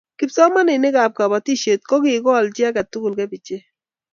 Kipsomanik ab Kabatishet ko kigol chii tugul cabigek